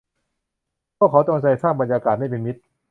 พวกเขาจงใจสร้างบรรยากาศไม่เป็นมิตร